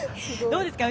どうですか？